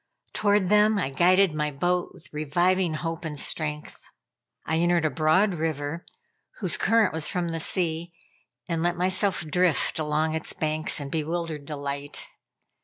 Toward them, I guided my boat with reviving hope and strength. I entered a broad river, whose current was from the sea, and let myself drift along its banks in bewildered delight.